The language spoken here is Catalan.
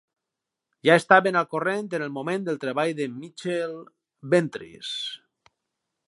Ja estaven al corrent en el moment del treball de Michael Ventris.